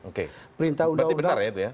oke berarti benar ya itu ya